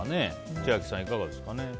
千秋さん、いかがですかね？